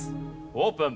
オープン。